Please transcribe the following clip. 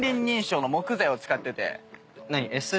何？